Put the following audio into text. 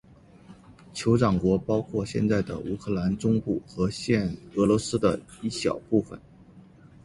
酋长国包括现在的乌克兰中部和现俄罗斯的一小部分。